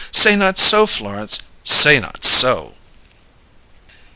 Say not so, Florence! Say not so!"